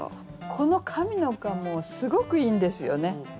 この上の句はもうすごくいいんですよね。